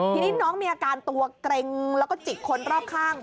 ทีนี้น้องมีอาการตัวเกร็งแล้วก็จิกคนรอบข้าง